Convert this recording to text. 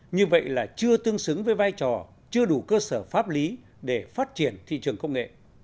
như vậy là chưa tương xứng với vai trò chưa đủ cơ sở pháp lý để phát triển thị trường công nghệ